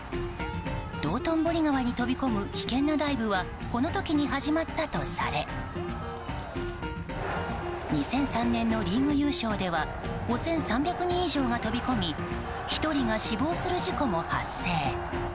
道頓堀川に飛び込む危険なダイブはこの時に始まったとされ２００３年のリーグ優勝では５３００人以上が飛び込み１人が死亡する事故も発生。